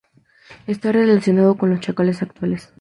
Está relacionado con los chacales actuales.